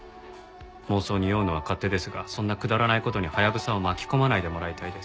妄想に酔うのは勝手ですがそんなくだらない事にハヤブサを巻き込まないでもらいたいです。